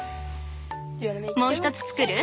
もう一つ作る？